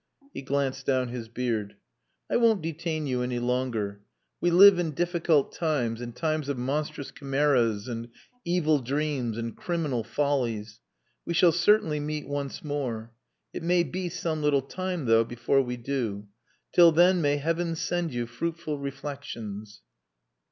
He glanced down his beard. "I won't detain you any longer. We live in difficult times, in times of monstrous chimeras and evil dreams and criminal follies. We shall certainly meet once more. It may be some little time, though, before we do. Till then may Heaven send you fruitful reflections!"